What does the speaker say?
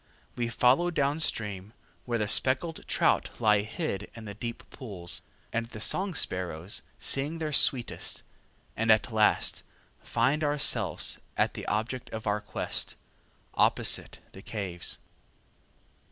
We follow downstream, where the speckled trout lie hid in the deep pools, and the song sparrows sing their sweetest, and at last find ourselves at the object of our quest, opposite the caves.